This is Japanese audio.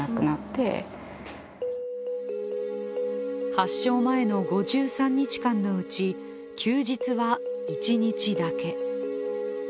発症前の５３日間のうち、休日は１日だけ。